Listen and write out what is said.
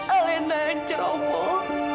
alena yang ceroboh